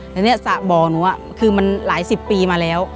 แต่เนี่ยสระบ่อหนูคือมันหลายสิบปีมาแล้ว